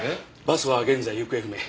バスは現在行方不明。